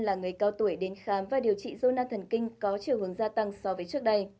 là người cao tuổi đến khám và điều trị dô na thần kinh có triều hướng gia tăng so với trước đây